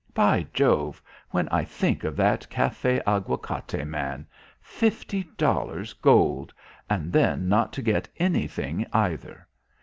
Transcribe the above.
By Jove, when I think of that Café Aguacate man! Fifty dollars gold! And then not to get anything either.